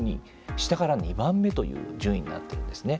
下から２番目という順位になってるんですね。